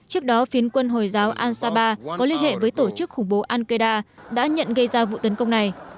trước đó phiến quân hồi giáo al saba có liên hệ với tổ chức khủng bố al qaeda đã nhận gây ra vụ tấn công này